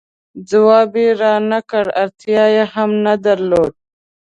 ځواب یې را نه کړ، اړتیا یې هم نه درلوده.